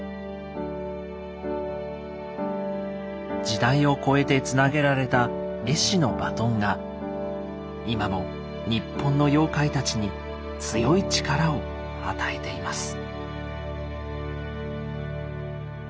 時代を超えてつなげられた絵師のバトンが今もニッポンの妖怪たちに強い力を与えています。